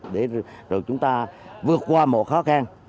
để rồi chúng ta vượt qua một khó khăn